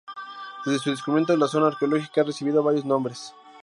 Desde su descubrimiento la zona arqueológica ha recibido varios nombres.